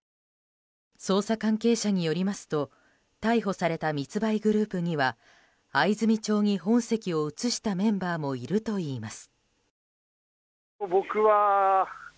捜査関係者によりますと逮捕された密売グループには藍住町に本籍を移したメンバーもいるといいます。